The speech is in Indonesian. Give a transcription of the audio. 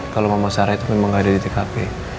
kalau mama sarah itu memang ada di tkp